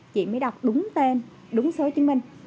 chị mới đọc đúng tên đúng số chứng minh